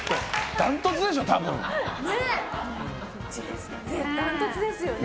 ダントツですよね。